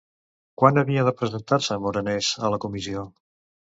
Quan havia de presentar-se Morenés a la Comissió?